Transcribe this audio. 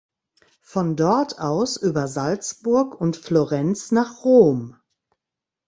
Von dort aus über Salzburg und Florenz nach Rom.